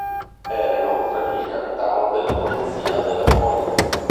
Era inoltre il capitano della polizia della Foglia.